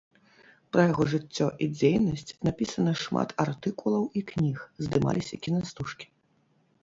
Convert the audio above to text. Пра яго жыццё і дзейнасць напісана шмат артыкулаў і кніг, здымаліся кінастужкі.